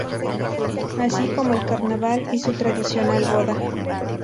Así como el carnaval, y su tradicional boda.